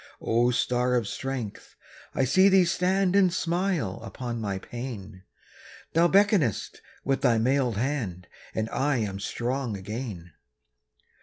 O star of strength! I see thee stand And smile upon my pain; Thou beckonest with thy mailed hand, And I am strong again.